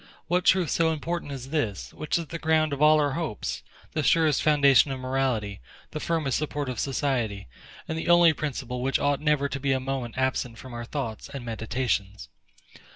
What truth so important as this, which is the ground of all our hopes, the surest foundation of morality, the firmest support of society, and the only principle which ought never to be a moment absent from our thoughts and meditations?